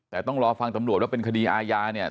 แต่ต้องรอฟังตำรวจว่าเป็นคดีอาญาเนี่ย